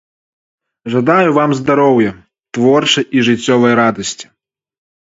Жадаю вам здароўя, творчай і жыццёвай радасці.